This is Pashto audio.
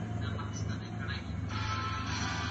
آیا زمری په ځنګل کي بېدېدی؟